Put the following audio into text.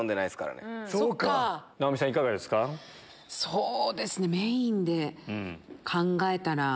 そうですねメインで考えたら。